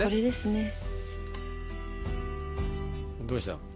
どうした？